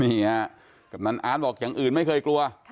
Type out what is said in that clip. นี่ฮะกำนันอาร์ตบอกอย่างอื่นไม่เคยกลัว